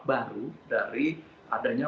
baru dari adanya